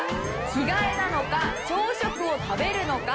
着替えなのか朝食を食べるのか？